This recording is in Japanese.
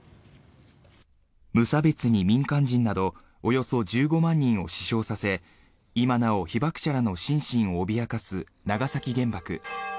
無差別に民間人などおよそ１５万人を死傷させ今なお被爆者らの心身を脅かす長崎原爆。